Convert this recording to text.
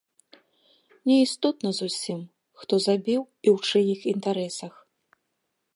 Не істотна зусім, хто забіў і ў чыіх інтарэсах.